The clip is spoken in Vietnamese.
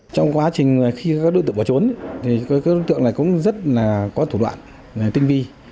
trong quá trình khi các đối tượng bỏ trốn thì các đối tượng này cũng rất là có thủ đoạn tinh vi